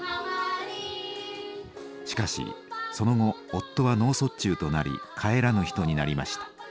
しかしその後夫は脳卒中となり帰らぬ人になりました。